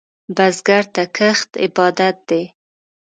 بزګر ته کښت عبادت دی